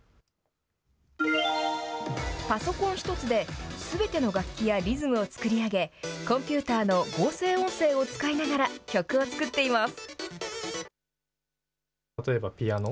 パソコン一つですべての楽器やリズムをつくり上げ、コンピューターの合成音声を使いながら曲を作っています。